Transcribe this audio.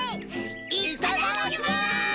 いただきます！